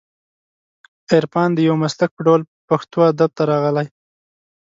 عرفان د یو مسلک په ډول پښتو ادب ته راغلی